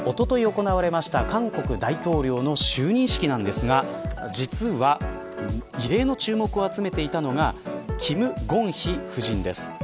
おととい行われました韓国大統領の就任式ですが、実は異例の注目を集めていたのが金建希夫人です。